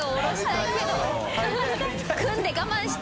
組んで我慢して。